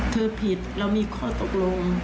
ผิดเรามีข้อตกลง